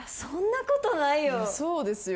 そうですよ。